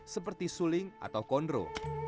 seperti suling atau kondro